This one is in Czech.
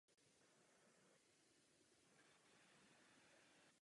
Vítám jeho dnešní vyjádření k této záležitosti.